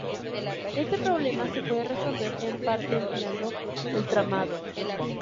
Este problema se puede resolver, en parte, empleando el tramado.